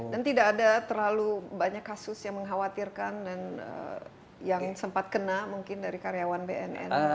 dan tidak ada terlalu banyak kasus yang mengkhawatirkan dan yang sempat kena mungkin dari karyawan bnn